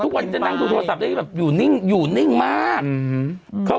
เด็กทุกวันจะนั่งดูโทรศัพท์ได้อยู่นิ่งมาก